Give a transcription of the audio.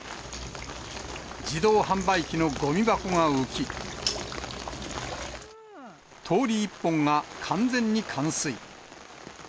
自動販売機のごみ箱が浮き、通り一本が完全に冠水。